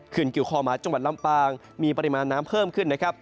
กิวคอหมาจังหวัดลำปางมีปริมาณน้ำเพิ่มขึ้นนะครับ